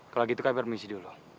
kalau gitu kami harus mengisi dulu